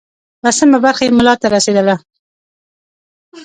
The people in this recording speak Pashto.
لسمه برخه یې ملا ته رسېدله.